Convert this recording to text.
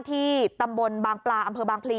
ที่ตำบลบางปลาอำเภอบางพลี